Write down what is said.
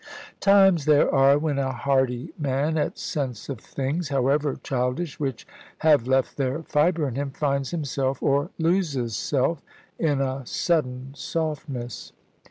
Times there are when a hardy man, at sense of things (however childish), which have left their fibre in him, finds himself, or loses self, in a sudden softness.